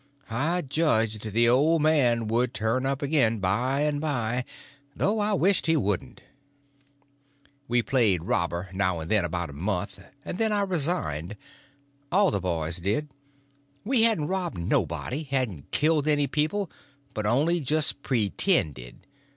I judged the old man would turn up again by and by, though I wished he wouldn't. We played robber now and then about a month, and then I resigned. All the boys did. We hadn't robbed nobody, hadn't killed any people, but only just pretended.